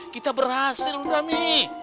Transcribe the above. kita berhasil udhami